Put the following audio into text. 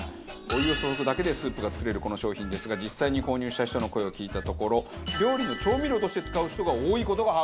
お湯を注ぐだけでスープが作れるこの商品ですが実際に購入した人の声を聞いたところ料理の調味料として使う人が多い事が判明。